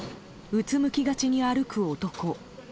うつむきがちに歩く男。